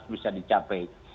yang bisa dicapai